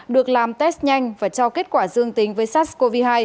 được làm test nhanh và cho kết quả dương tính với sars cov hai